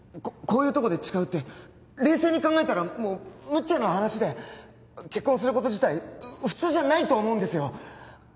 こういうとこで誓うって冷静に考えたらもうむちゃな話で結婚すること自体普通じゃないと思うんですよ